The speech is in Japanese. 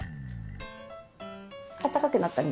あったかくなったね。